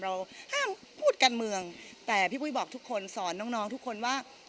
เราห้ามพูดการเมืองแต่พี่ปุ้ยบอกทุกคนสอนน้องทุกคนว่า